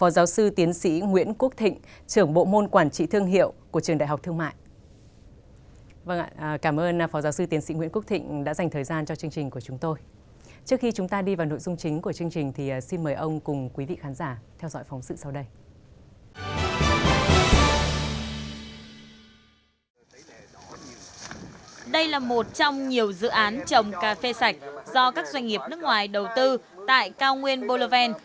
đây là một trong nhiều dự án trồng cà phê sạch do các doanh nghiệp nước ngoài đầu tư tại cao nguyên boloven